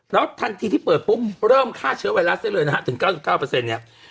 แล้วทันทีที่เปิดปุ๊บเริ่มฆ่าเชื้อไวรัสได้เลยนะฮะถึง๙๙เนี่ย